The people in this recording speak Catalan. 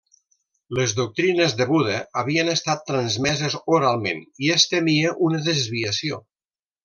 Les doctrines de Buda havien estat transmeses oralment i es temia una desviació.